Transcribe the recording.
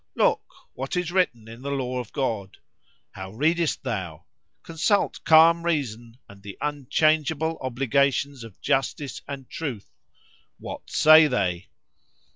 —Look, What is written in the law of God?——How readest thou?—Consult calm reason and the unchangeable obligations of justice and truth;——what say they?